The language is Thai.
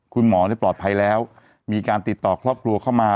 คุณหมอปลอดภัยแล้วมีการติดต่อครอบครัวเข้ามา